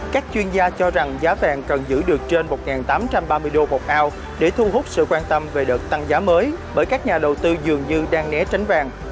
các chuyên gia cho rằng giá vàng cần giữ được trên một tám trăm ba mươi đô một ao để thu hút sự quan tâm về đợt tăng giá mới bởi các nhà đầu tư dường như đang né tránh vàng